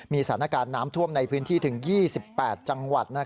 มีสถานการณ์น้ำท่วมในพื้นที่ถึง๒๘จังหวัด